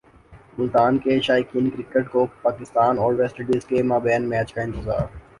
ملتان کے شائقین کرکٹ کو پاکستان اور ویسٹ انڈیز کے مابین میچ کا انتظار